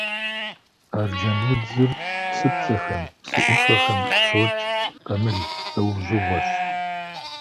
Арджэнудзыр псыпцӏэхэм, псы ӏуфэхэм къыщыкӏ къамыл лӏэужьыгъуэщ.